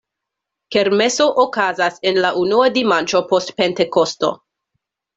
Kermeso okazas en la unua dimanĉo post Pentekosto.